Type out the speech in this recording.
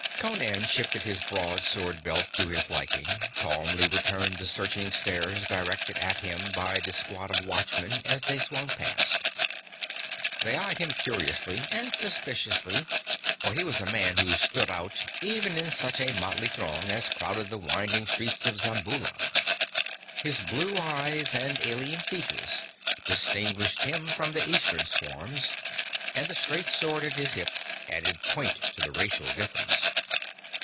Conan shifted his broad sword belt to his liking, and calmly returned the searching stares directed at him by the squad of watchmen as they swung past. They eyed him curiously and suspiciously, for he was a man who stood out even in such a motley throng as crowded the winding streets of Zamboula. His blue eyes and alien features distinguished him from the Eastern swarms, and the straight sword at his hip added point to the racial difference.